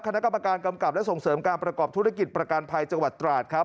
คณะกรรมการกำกับและส่งเสริมการประกอบธุรกิจประกันภัยจังหวัดตราดครับ